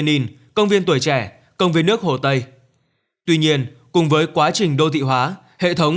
nền công viên tuổi trẻ công viên nước hồ tây tuy nhiên cùng với quá trình đô thị hóa hệ thống